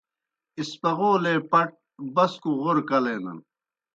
اسپغولے پٹ بسکوْ غورہ کلینَن۔